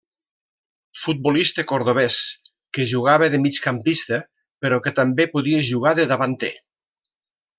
Futbolista cordovès que jugava de migcampista, però que també podia jugar de davanter.